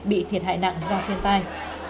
bị thiệt hại nặng do thiên tai